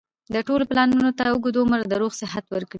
د ټولو پلانونو ته اوږد عمر د روغ صحت ورکړي